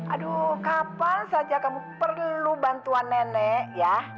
aduh kapan saja kamu perlu bantuan nenek ya